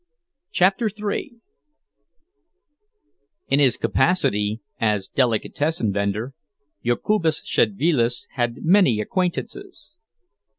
CHAPTER III In his capacity as delicatessen vender, Jokubas Szedvilas had many acquaintances.